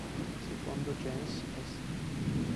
Secondo Jens S. Th.